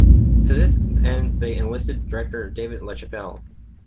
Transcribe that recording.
To this end, they enlisted director David LaChapelle.